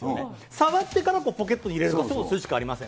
触ってからポケットに入れる、そうするしかありません。